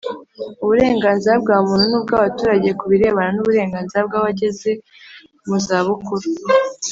Uburenganzira bwa Muntu n’ubw’Abaturage ku birebana n’Uburenganzira bw’Abageze mu za Bukuru